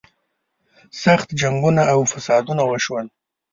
سخت جنګونه او فسادونه وشول.